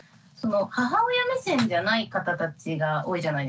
母親目線じゃない方たちが多いじゃないですか。